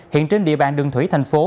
hiện trên địa bàn đường thủy thành phố